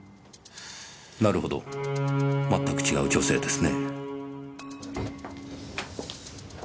なるほどまったく違う女性ですね。